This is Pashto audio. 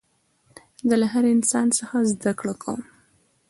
زه له هر انسان څخه زدکړه کوم.